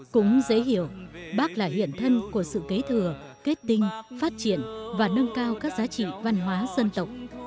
cũng dễ hiểu bác là hiện thân của sự kế thừa kết tinh phát triển và nâng cao các giá trị văn hóa dân tộc